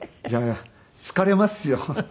いや疲れますよ。